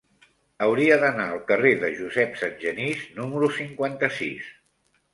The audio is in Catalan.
Hauria d'anar al carrer de Josep Sangenís número cinquanta-sis.